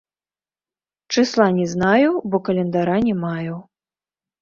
Чысла не знаю, бо календара не маю.